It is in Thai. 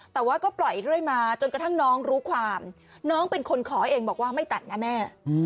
แต่ว่าก็ปล่อยเรื่อยมาจนกระทั่งน้องรู้ความน้องเป็นคนขอเองบอกว่าไม่ตัดนะแม่